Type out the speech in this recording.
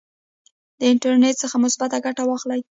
د انټرنیټ څخه مثبته ګټه واخلئ.